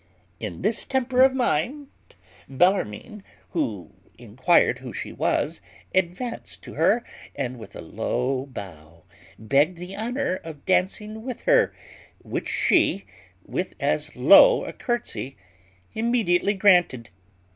In this temper of mind, Bellarmine, having inquired who she was, advanced to her, and with a low bow begged the honour of dancing with her, which she, with as low a curtesy, immediately granted.